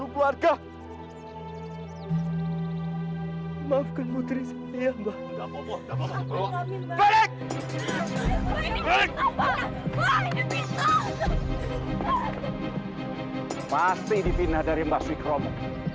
pasti dipindah dari mbak swikromo